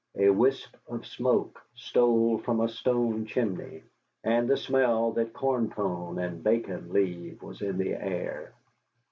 A wisp of smoke stole from a stone chimney, and the smell that corn pone and bacon leave was in the air.